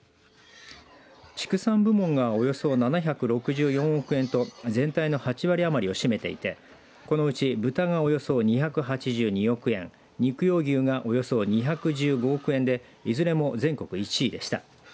畜産部門がおよそ７６４億円と全体の８割余りを占めていてこのうち豚がおよそ２８２億円肉用牛がおよそ２１５億円でいずれも全国１位でした。